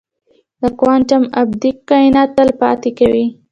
د کوانټم ابدیت کائنات تل پاتې کوي.